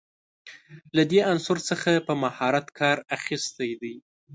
له دې عنصر څخه په مهارت کار اخیستی دی.